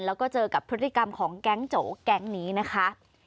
แล้วก็เจอกับพฤติกรรมของแก๊งโจแก๊งนี้นะคะ